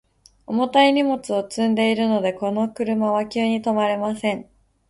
重たい荷物を積んでいるので、この車は急に止まれません。